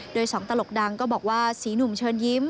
โดยสองตลกดังก็บอกว่าสีหนุ่มเชิญยิ้ม